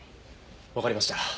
わかりました。